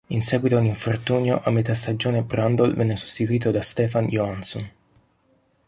In seguito ad un infortunio, a metà stagione Brundle venne sostituito da Stefan Johansson.